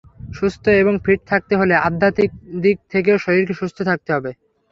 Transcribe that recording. সুস্থ এবং ফিট থাকতে হলে আধ্যাত্মিক দিক থেকেও শরীরকে সুস্থ রাখতে হবে।